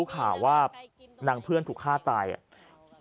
ชาวบ้านญาติโปรดแค้นไปดูภาพบรรยากาศขณะ